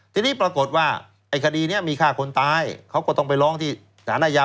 ทีนี้ปรากฏว่าไอ้คดีนี้มีฆ่าคนตายเขาก็ต้องไปร้องที่สารอาญา